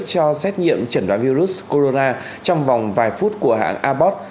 cho xét nghiệm chẩn đoán virus corona trong vòng vài phút của hãng abot